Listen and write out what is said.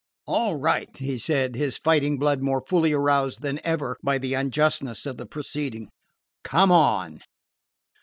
"All right," he said, his fighting blood more fully aroused than ever by the unjustness of the proceeding. "Come on."